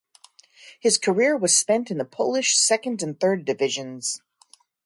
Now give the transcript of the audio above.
His career was spent in the Polish second and third divisions.